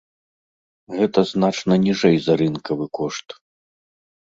Гэта значна ніжэй за рынкавы кошт.